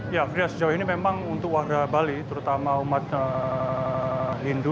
ya fria sejauh ini memang untuk warga bali terutama umat hindu